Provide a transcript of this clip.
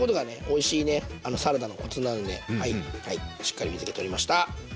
おいしいねサラダのコツなのでしっかり水け取りました。